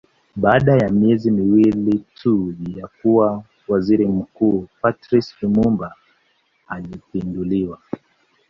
Baada ya miezi miwili tu ya kuwa Waziri Mkuu Patrice Lumumba alipinduliwa